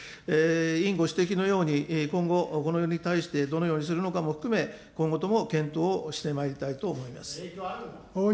委員ご指摘のように、今後、このように対してどのようにするのかも含め、今後とも検討をしてまいりたいと思います。